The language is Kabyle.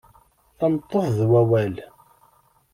Tameṭṭut d wawal.